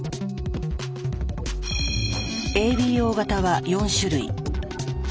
ＡＢＯ型は４種類。